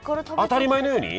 当たり前のように？